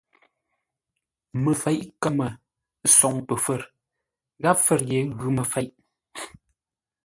Məfeʼ kəmə soŋ pəfə̌r gháp fə̌r ye ghʉ məfeʼ.